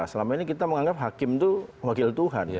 selama ini kita menganggap hakim itu wakil tuhan